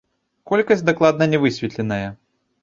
Колькасць дакладна не высветленая.